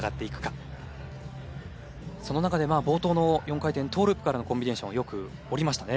その中で冒頭の４回転トーループからのコンビネーションよく降りましたね。